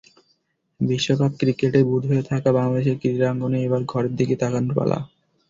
বিশ্বকাপ ক্রিকেটে বুঁদ হয়ে থাকা বাংলাদেশের ক্রীড়াঙ্গনের এবার ঘরের দিকে তাকানোর পালা।